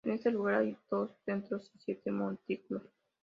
En ese lugar hay dos centros y siete montículos.